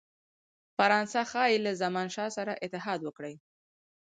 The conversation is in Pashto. فرانسه ښايي له زمانشاه سره اتحاد وکړي.